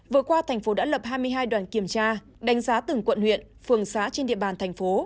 vừa qua thành phố đã lập hai mươi hai đoàn kiểm tra đánh giá từng quận huyện phường xã trên địa bàn thành phố